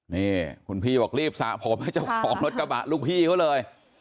นี่คุณพี่บอกรีบสระผมให้เจ้าของรถกระบะลูกพี่เขาเลย